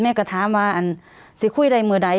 แม่งกูถามว่าสิคุยได้มือไหน